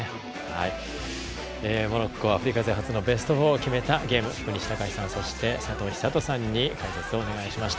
モロッコがアフリカ勢初のベスト４を決めたゲーム福西崇史さんそして、佐藤寿人さんに解説をお願いしました。